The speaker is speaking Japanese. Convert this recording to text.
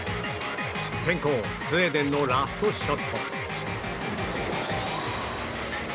先攻、スウェーデンのラストショット。